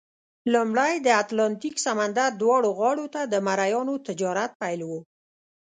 لومړی د اتلانتیک سمندر دواړو غاړو ته د مریانو تجارت پیل وو.